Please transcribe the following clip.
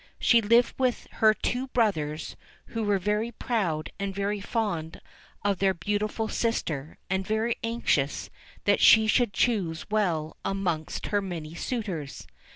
She Hved with her two brothers who were very proud and very fond of their beautiful sister, and very anxious that she should choose well amongst her many suitors.